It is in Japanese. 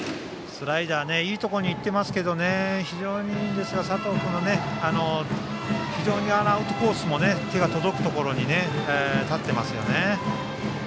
スライダーがいいところにいっていますが非常に佐藤君、アウトコースにも手が届くところに立っていますね。